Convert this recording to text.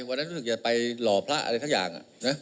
วันนั้นรู้สึกอย่าไปหล่อพระอะไรทั้งอย่าง